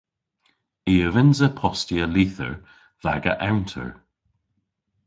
I a vynnsa postya lyther dh'aga ewnter.